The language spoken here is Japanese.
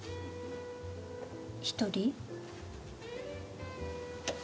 一人？